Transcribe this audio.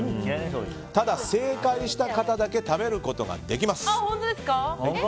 ただ、正解した方だけ食べることができます。